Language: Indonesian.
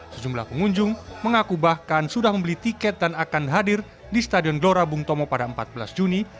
sejumlah pengunjung mengaku bahkan sudah membeli tiket dan akan hadir di stadion glora bung tomo pada empat belas juni